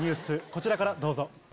こちらからどうぞ。